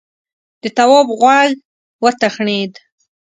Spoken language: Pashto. د تواب غوږ وتخڼيد: